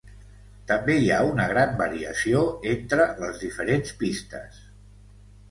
També hi ha una gran variació entre les diferents pistes.